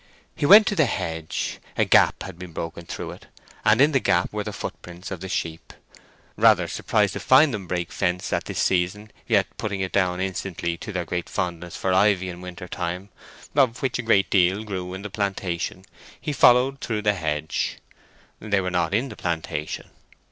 He went to the hedge; a gap had been broken through it, and in the gap were the footprints of the sheep. Rather surprised to find them break fence at this season, yet putting it down instantly to their great fondness for ivy in winter time, of which a great deal grew in the plantation, he followed through the hedge. They were not in the plantation.